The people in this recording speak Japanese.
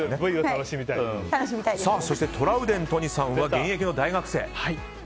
そしてトラウデン都仁さんは現役の大学生。